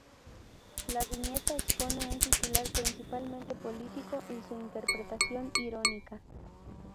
La viñeta expone un titular, principalmente político, y su interpretación irónica.